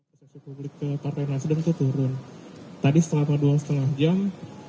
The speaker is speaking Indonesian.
persepsi publik ke partai nasdem itu turun tadi setengah jam atau dua setengah jam